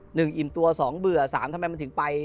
อิ่มตัวสองเบื่อสามทำไมมันถึงไป